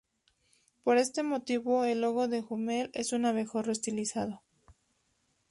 Por este motivo, el logo de Hummel es un abejorro estilizado.